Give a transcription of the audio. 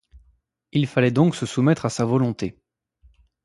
Il fallait donc se soumettre à sa volonté.